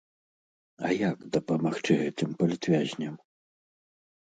А як дапамагчы гэтым палітвязням?